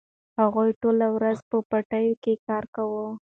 هغوی ټوله ورځ په پټیو کې کار کاوه.